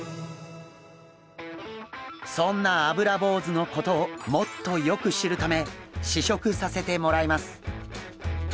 そんなアブラボウズのことをもっとよく知るため試食させてもらいます。